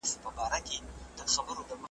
موږ باید د عاید زیاتوالي ته کلک پام وکړو.